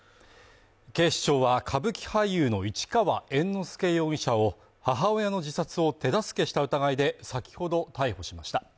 警視庁は歌舞伎俳優の市川猿之助容疑者を母親の自殺を手助けした疑いで、先ほど逮捕しました。